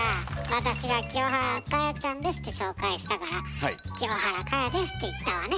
私が「清原果耶ちゃんです」って紹介したから「清原果耶です」って言ったわね。